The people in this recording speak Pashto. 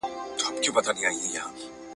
دا رومان د یوې لویې کورنۍ د ژوند کیسه ده.